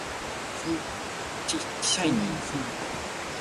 遮爾